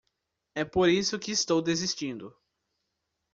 É por isso que estou desistindo.